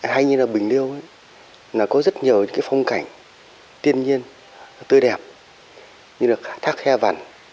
hay như là bình liêu có rất nhiều phong cảnh tiên nhiên tươi đẹp như là thác he vằn